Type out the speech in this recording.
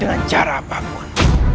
dengan cara apapun